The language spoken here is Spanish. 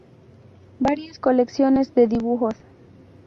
Varias colecciones de dibujos